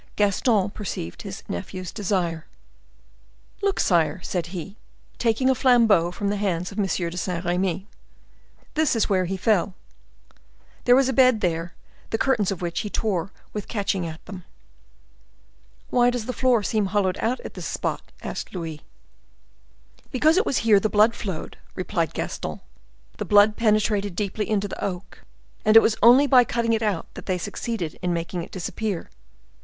Gaston perceived his nephew's desire. "Look, sire," said he, taking a flambeaux from the hands of M. de Saint Remy, "this is where he fell. There was a bed there, the curtains of which he tore with catching at them." "Why does the floor seem hollowed out at this spot?" asked Louis. "Because it was here the blood flowed," replied Gaston; "the blood penetrated deeply into the oak, and it was only by cutting it out that they succeeded in making it disappear.